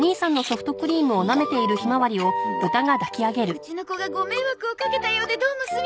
うちの子がご迷惑をかけたようでどうもすみません。